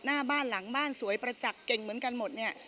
หน้าบ้านหลังบ้านสวยประจักษ์เก่งเหมือนกันหมดเนี่ย